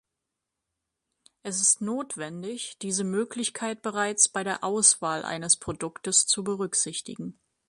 Es ist notwendig diese Möglichkeit bereits bei der Auswahl eines Produktes zu berücksichtigen.